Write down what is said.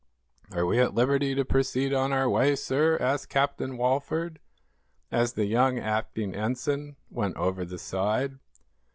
"Are we at liberty to proceed on our way, sir?" asked Captain Walford, as the young acting ensign went over the side.